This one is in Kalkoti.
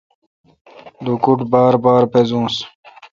لوکوٹ بار بار بزوس۔